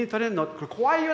これ怖いよね